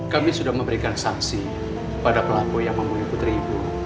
kami sudah memberikan saksi pada pelaku yang memungkinkan putri ibu